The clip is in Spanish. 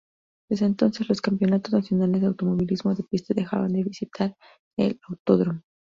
Desde entonces, los campeonatos nacionales de automovilismo de pista dejaron de visitar el autódromo.